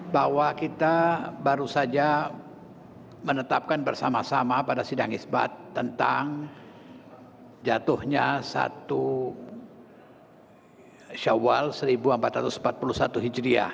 bahwa kita baru saja menetapkan bersama sama pada sidang isbat tentang jatuhnya satu syawal seribu empat ratus empat puluh satu hijriah